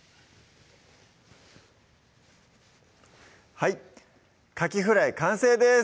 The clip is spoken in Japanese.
はい「かきフライ」完成です